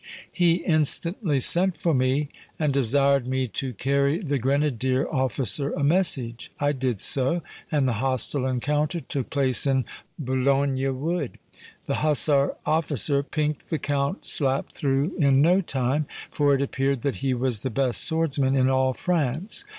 He instantly sent for me, and desired me to carry the grenadier officer a message. I did so; and the hostile encounter took place in Boulogne wood. The hussar officer pinked the Count slap through in no time; for it appeared that he was the best swordsman in all France.